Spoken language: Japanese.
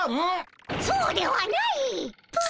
そうではないっ！